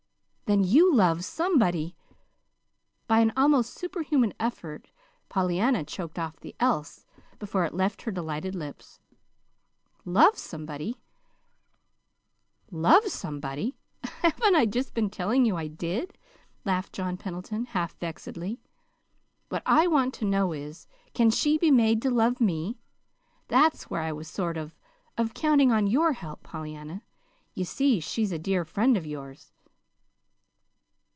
"Then you love somebody " By an almost superhuman effort Pollyanna choked off the "else" before it left her delighted lips. "Love somebody! Haven't I just been telling you I did?" laughed John Pendleton, half vexedly. "What I want to know is can she be made to love me? That's where I was sort of of counting on your help, Pollyanna. You see, she's a dear friend of yours."